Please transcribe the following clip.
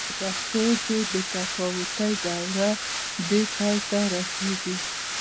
د پښتو د بې تفاوتۍ دوره دې پای ته رسېږي.